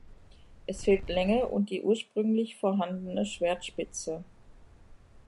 Es fehlt Länge und die ursprünglich vorhandene Schwertspitze.